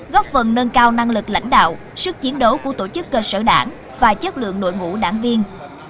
góp phần nâng cao năng lực lãnh đạo sức chiến đấu của tổ chức cơ sở đảng và chất lượng đội ngũ đảng viên